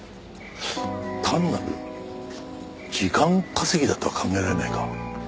単なる時間稼ぎだとは考えられないか？